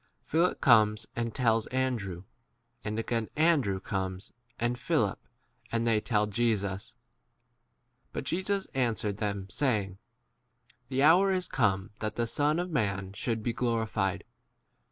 Philip comes and tells Andrew, and again An drew comes and Philip, and they w 23 tell Jesus. But Jesus answered them, saying, The hour is come that the Son of man should be 24 glorified.